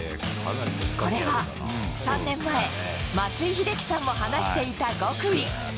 これは３年前、松井秀喜さんも話していた極意。